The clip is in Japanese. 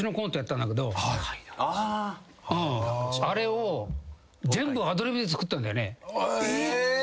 あれを全部アドリブで作ったんだよね。